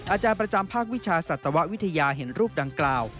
อาจารย์ประจำภาควิชาสัตววิทยาเห็นรูปดังกล่าว